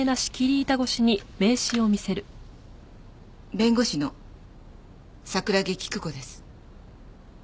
弁護士の櫻木希久子です。